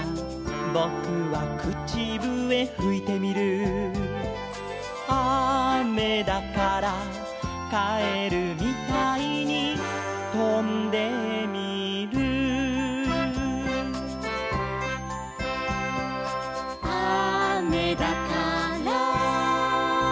「ぼくはくちぶえふいてみる」「あめだから」「かえるみたいにとんでみる」「あめだから」